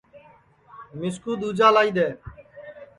مِسکُو دؔوجا لائی دؔے